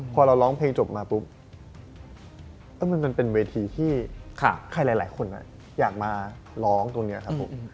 พอเราร้องเพลงจบมาปุ๊บมันเป็นเวทีที่ใครหลายคนอยากมาร้องตรงนี้ครับผม